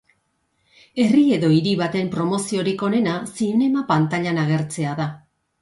Herri edo hiri baten promoziorik onena zinema-pantailan agertzea da.